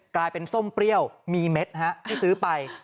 กลายเป็นส้มเปรี้ยวมีเม็ดให้ซื้อไป